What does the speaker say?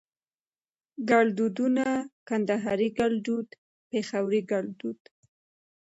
ګړدودونه کندهاري ګړدود پېښوري ګړدود